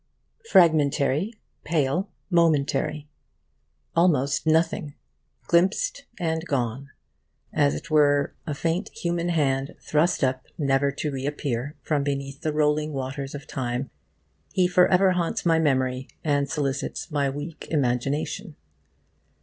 Fragmentary, pale, momentary; almost nothing; glimpsed and gone; as it were, a faint human hand thrust up, never to reappear, from beneath the rolling waters of Time, he forever haunts my memory and solicits my weak imagination.